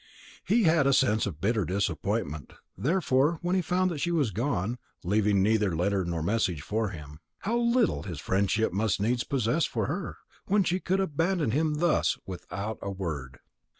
He had a sense of bitter disappointment, therefore, when he found that she had gone, leaving neither letter nor message for him. How little value his friendship must needs possess for her, when she could abandon him thus without a word!